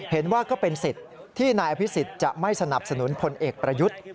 ก็เป็นสิทธิ์ที่นายอภิษฎจะไม่สนับสนุนพลเอกประยุทธ์